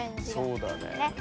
そうだね。